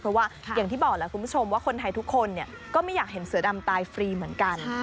เพราะว่าอย่างที่บอกแล้วคุณผู้ชมว่าคนไทยทุกคนก็ไม่อยากเห็นเสือดำตายฟรีเหมือนกัน